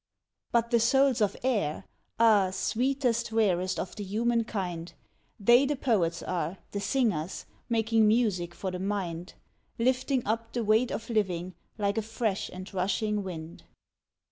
But the souls of Air ! ah, sweetest, rarest of the human kind, They the poets are, the singers, making music for the mind, Lifting up the weight of living like a fresh and rushing wind.